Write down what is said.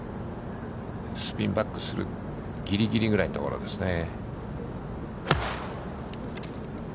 スピンバックするぎりぎりぐらいのところですね。